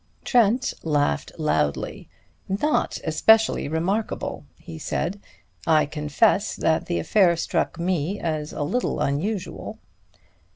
Trent laughed loudly. "Not especially remarkable!" he said. "I confess that the affair struck me as a little unusual."